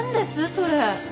それ。